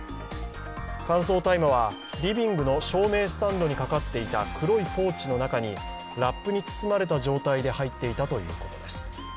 乾燥大麻はリビングの照明スタンドにかかっていた黒いポーチの中にラップに包まれた状態で入っていたということです。